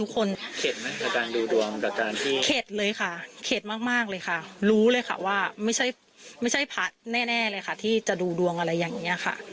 เข็ดเลยค่ะเข็ดมากเลยค่ะรู้เลยค่ะว่าไม่ใช่ผาแน่เลยค่ะที่จะดูดวงอะไรอย่างนี้ค่ะ